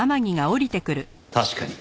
確かに。